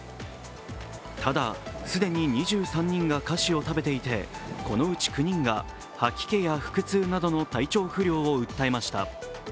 ただ、既に２３人が菓子を食べていてこのうち９人が吐き気や腹痛などの体調不良を訴えました。